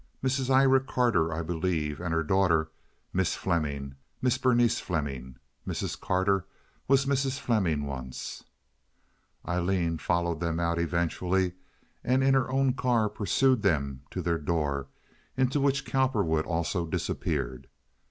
"Mrs. Ira Carter, I believe, and her daughter, Miss Fleming, Miss Berenice Fleming. Mrs. Carter was Mrs. Fleming once." Aileen followed them out eventually, and in her own car pursued them to their door, into which Cowperwood also disappeared.